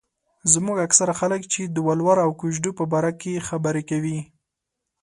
زموږ اکثره خلک چې د ولور او کوژدو په باره کې خبره کوي.